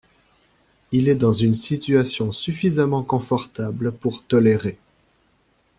Il est dans une situation suffisamment confortable pour tolérer.